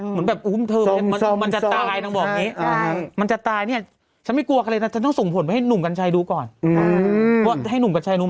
เหมือนแบบอุ้มเธอแบบแบบมันจะตายน้องบอกงี้ใช่